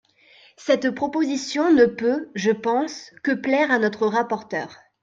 Cette proposition ne peut, je pense, que plaire à notre rapporteur.